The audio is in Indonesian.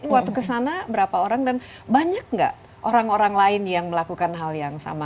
waktu kesana berapa orang dan banyak nggak orang orang lain yang melakukan hal yang sama